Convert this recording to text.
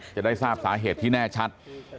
จะได้ทราบสาเหตุที่แน่ชัด